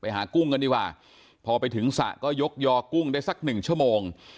หากุ้งกันดีกว่าพอไปถึงสระก็ยกยอกุ้งได้สักหนึ่งชั่วโมง